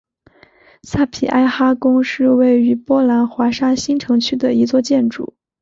萨皮埃哈宫是位于波兰华沙新城区的一座建筑。